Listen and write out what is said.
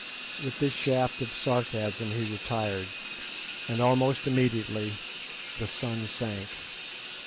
With this shaft of sarcasm he retired, and almost immediately the sun sank.